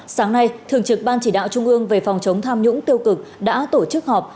sáng nay thường trực ban chỉ đạo trung ương về phòng chống tham nhũng tiêu cực đã tổ chức họp